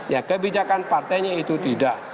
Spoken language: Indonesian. ya kebijakan partainya itu tidak